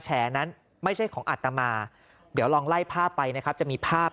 แฉนั้นไม่ใช่ของอัตมาเดี๋ยวลองไล่ภาพไปนะครับจะมีภาพ